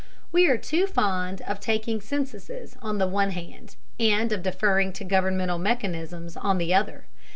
We are too fond of taking censuses on the one hand, and of deferring to governmental mechanisms on the other.